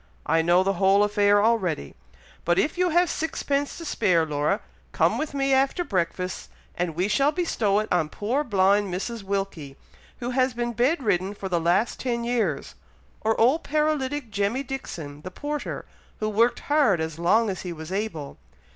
I know the whole affair already; but if you have sixpence to spare, Laura, come with me after breakfast, and we shall bestow it on poor blind Mrs. Wilkie, who has been bed ridden for the last ten years; or old paralytic Jemmy Dixon the porter, who worked hard as long as he was able.